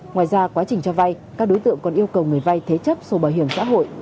ngoài ra quá trình cho vay các đối tượng còn yêu cầu người vay thế chấp sổ bảo hiểm xã hội